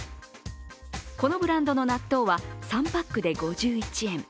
このブランドの納豆は３パックで５１円。